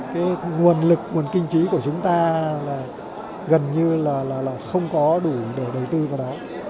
cái nguồn lực nguồn kinh phí của chúng ta là gần như là không có đủ để đầu tư vào đó